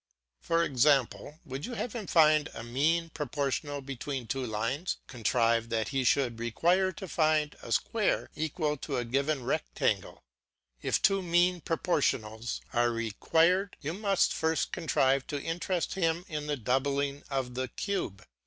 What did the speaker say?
For example, would you have him find a mean proportional between two lines, contrive that he should require to find a square equal to a given rectangle; if two mean proportionals are required, you must first contrive to interest him in the doubling of the cube.